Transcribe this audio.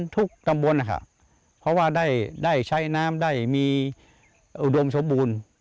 ตำบลนะคะเพราะว่าได้ใช้น้ำได้มีอุดมสมบูรณ์